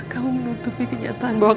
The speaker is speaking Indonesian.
kamu menutupi kenyataan bahwa